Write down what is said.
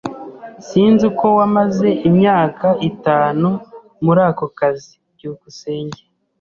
Sinzi uko wamaze imyaka itanu muri ako kazi. byukusenge